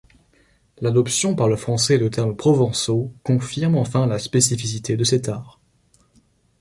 L'adoption par le français de termes provençaux confirme enfin la spécificité de cet art.